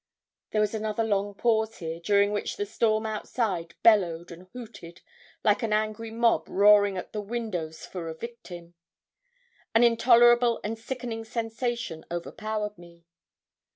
There was another long pause here, during which the storm outside bellowed and hooted like an angry mob roaring at the windows for a victim. An intolerable and sickening sensation overpowered me.